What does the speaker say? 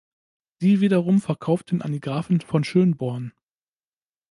Die wiederum verkauften an die Grafen von Schönborn.